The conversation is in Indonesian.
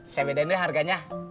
saya bedain deh harganya